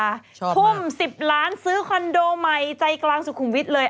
ทุ่ม๑๐ล้านซื้อคอนโดใหม่ใจกลางสุขุมวิทย์เลย